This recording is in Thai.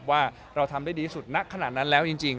ว่าเราทำได้ดีที่สุดนักขนาดนั้นแล้วจริง